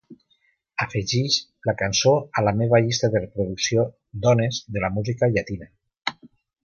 Afegeix la cançó a la meva llista de reproducció Dones de la música llatina.